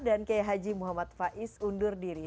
dan k h muhammad faiz undur diri